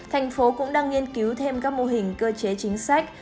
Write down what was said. tp hcm cũng đang nghiên cứu thêm các mô hình cơ chế chính sách